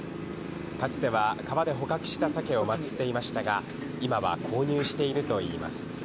かつては川で捕獲したサケを祭っていましたが、今は購入しているといいます。